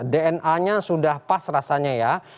dna nya sudah pas rasanya ya